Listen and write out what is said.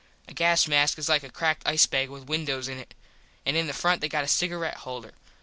A gas mask is like a cracked ice bag with windos in it. An in the front they got a cigaret holder.